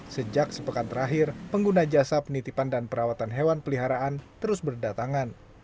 sejak sepekan terakhir pengguna jasa penitipan dan perawatan hewan peliharaan terus berdatangan